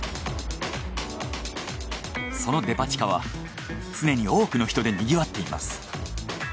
そのデパ地下は常に多くの人でにぎわっています。